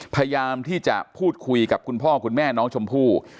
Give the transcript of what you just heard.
พยายามที่จะพูดคุยกับคุณพ่อคุณแม่น้องชมพู่